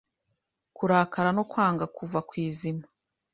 kurakara no kwanga kuva kwizima